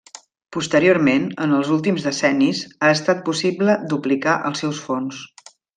Posteriorment, en els últims decennis, ha estat possible duplicar els seus fons.